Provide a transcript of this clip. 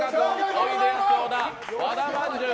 おいでやす小田和田まんじゅう